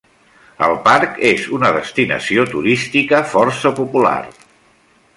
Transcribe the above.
El parc és una destinació turística força popular.